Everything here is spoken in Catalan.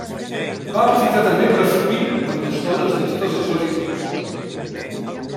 Va aprofitar també per a fruir amb les dones de totes les latituds.